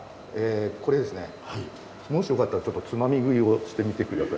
もしよかったらちょっとつまみ食いをしてみて下さい。